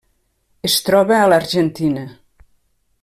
Es troba a l'Argentina: